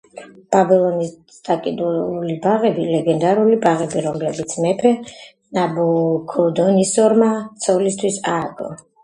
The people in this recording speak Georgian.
ბაბილონის დაკიდებული ბაღები ლეგენდარული ბაღები, რომლებიც მეფე ნაბუქოდონოსორმა ცოლისთვის ააგო.